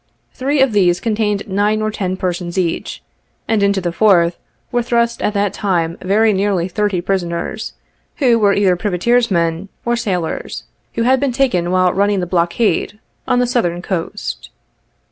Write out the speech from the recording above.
Three of these contained nine or ten persons each, and into the fourth were thrust at that time very nearly thirty pris oners, who were either privateersmen, or sailors who had been taken while running the blockade on the Southern 20 coast.